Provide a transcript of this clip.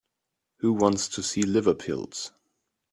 Who wants to see liver pills?